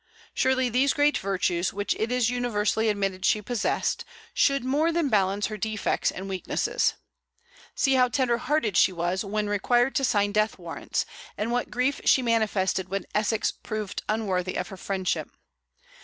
Surely these great virtues, which it is universally admitted she possessed, should more than balance her defects and weaknesses. See how tender hearted she was when required to sign death warrants, and what grief she manifested when Essex proved unworthy of her friendship!